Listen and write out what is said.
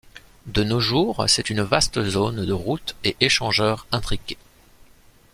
De nos jours, c'est une vaste zone de routes et échangeurs intriqués.